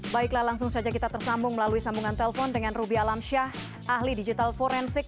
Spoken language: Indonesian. baiklah langsung saja kita tersambung melalui sambungan telpon dengan ruby alamsyah ahli digital forensik